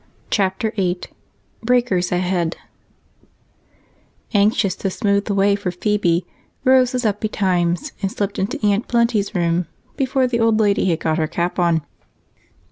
Chapter 8 BREAKERS AHEAD Anxious to smooth the way for Phebe, Rose was up betimes and slipped into Aunt Plenty's room before the old lady had gotten her cap on.